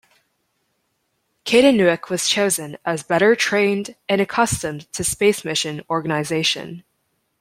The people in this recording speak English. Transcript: Kadeniuk was chosen as better-trained and accustomed to space mission organization.